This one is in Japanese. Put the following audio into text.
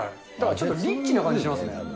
ちょっとリッチな感じしますね。